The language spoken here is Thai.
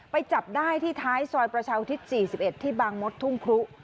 จับได้ที่ท้ายซอยประชาอุทิศ๔๑ที่บางมดทุ่งครุ